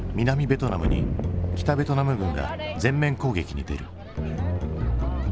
ベトナムに北ベトナム軍が全面攻撃に出る。